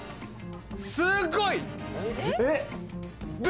すごい！ブ！